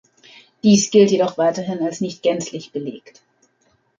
Dies gilt jedoch weiterhin als nicht gänzlich belegt.